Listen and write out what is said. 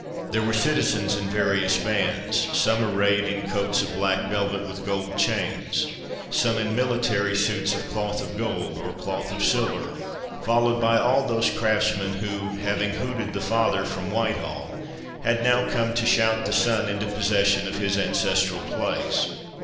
There were citizens in various bands, some arrayed in coats of black velvet, with gold chains; some in military suits of cloth of gold, or cloth of silver, followed by all those craftsmen who, having hooted the father from Whitehall, had now come to shout the son into possession of his ancestral place.